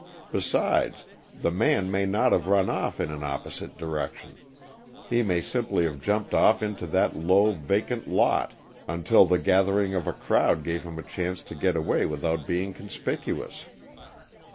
Besides, the man may not have run off in an opposite direction. He may simply have jumped off into that low, vacant lot until the gathering of a crowd gave him a chance to get away without being conspicuous."